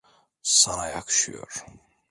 Sana yakışıyor.